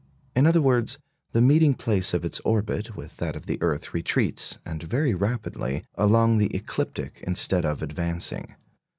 In other words, the meeting place of its orbit with that of the earth retreats (and very rapidly) along the ecliptic instead of advancing.